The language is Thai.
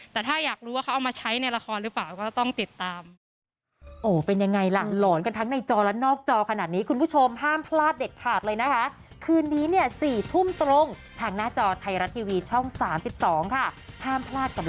แต่ถ้าอยากรู้ว่าเขาเอามาใช้ในละครหรือเปล่าก็ต้องติดตาม